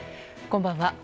こんばんは。